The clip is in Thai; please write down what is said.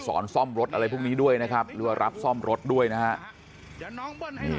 ซ่อมรถอะไรพวกนี้ด้วยนะครับหรือว่ารับซ่อมรถด้วยนะฮะ